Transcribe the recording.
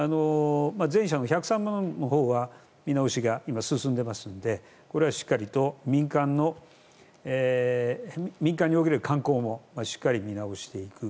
前者の１０３万のほうは見直しが今進んでいますのでこれはしっかりと民間における官公もしっかり見直していく。